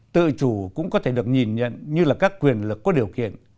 tự chủ cũng có thể được nhìn nhận như là các quyền lực có điều kiện